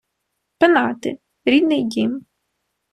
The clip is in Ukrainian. Пенати — рідний дім